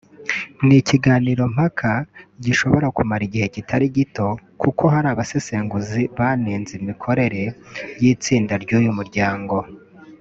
ni ikiganiro mpaka gishobora kumara igihe kitari gito kuko hari abasesenguzi banenze imikorere y’Itsinda ry’Uyu muryango